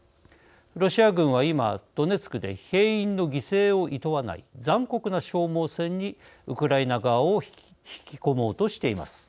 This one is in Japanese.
ロシア軍は今、ドネツクで兵員の犠牲をいとわない残酷な消耗戦にウクライナ側を引き込もうとしています。